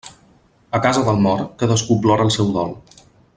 A casa del mort cadascú plora el seu dol.